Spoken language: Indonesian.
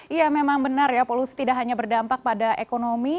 iya memang benar ya polusi tidak hanya berdampak pada ekonomi